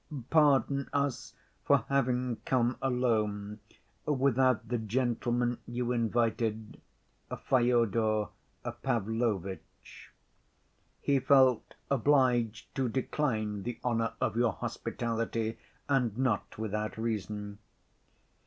"Pardon us for having come alone without the gentleman you invited, Fyodor Pavlovitch. He felt obliged to decline the honor of your hospitality, and not without reason.